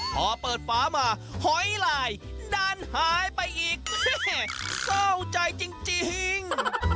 พอเปิดฝามาหอยลายดันหายไปอีกเฮ่เฮ่เข้าใจจริงจริง